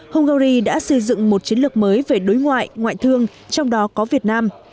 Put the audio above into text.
hungary đã xây dựng một chiến lược mới về đối ngoại ngoại thương trong đó có việt nam